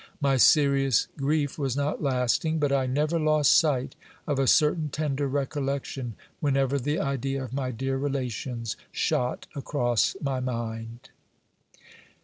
My serious grief was not lasting : but I never lost sight of a certain tender recollection, whenever the idea of my dear relations shot across my mind.